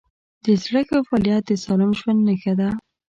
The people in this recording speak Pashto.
د زړه ښه فعالیت د سالم ژوند نښه ده.